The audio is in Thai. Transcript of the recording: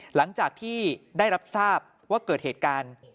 หลังจากที่ได้รับทราบว่าเกิดเหตุการณ์